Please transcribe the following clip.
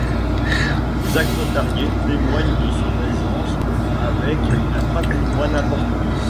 Les actes notariés témoignent de son aisance avec un patrimoine important.